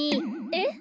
えっ？